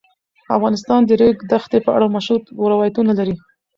افغانستان د د ریګ دښتې په اړه مشهور تاریخی روایتونه لري.